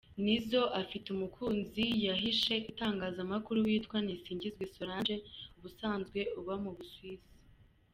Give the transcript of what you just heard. Nizzo afite umukunzi yahishe itangazamakuru witwa Nisingizwe Solange, ubusanzwe uba mu Busuwisi.